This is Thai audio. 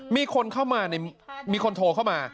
มีคนเข้ามามีคนโทรเข้ามา